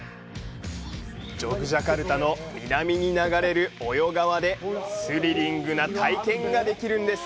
ジョグジャカルタの南に流れるオヨ川でスリリングな体験が出来るんです。